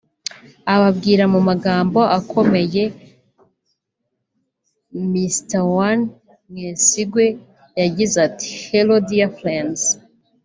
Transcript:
Ababwira mu magambo akomeye Mr One Mwesigwe yagize ati” Hello dear friends